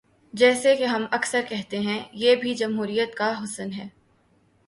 جیسا کہ ہم اکثر کہتے ہیں، یہ بھی جمہوریت کا حسن ہے۔